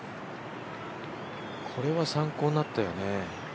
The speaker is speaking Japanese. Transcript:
これは参考になったよね。